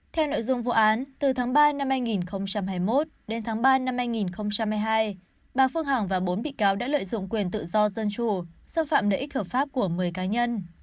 theo nội dung vụ án từ tháng ba năm hai nghìn hai mươi một đến tháng ba năm hai nghìn hai mươi hai bà phương hằng và bốn bị cáo đã lợi dụng quyền tự do dân chủ xâm phạm lợi ích hợp pháp của một mươi cá nhân